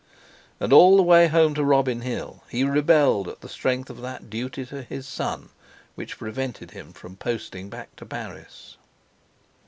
And all the way home to Robin Hill he rebelled at the strength of that duty to his son which prevented him from posting back to Paris....